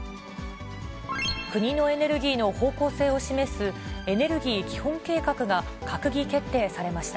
国のエネルギーの方向性を示すエネルギー基本計画が閣議決定されました。